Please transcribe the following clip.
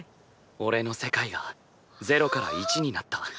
俺の世界が０から１になった。